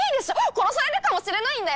殺されるかもしれないんだよ